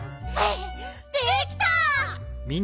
できた！